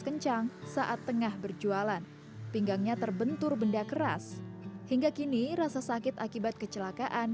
kencang saat tengah berjualan pinggangnya terbentur benda keras hingga kini rasa sakit akibat kecelakaan